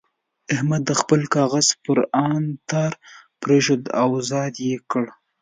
احمد د خپل کاغذ پران تار پرېښود او ازاد یې کړ.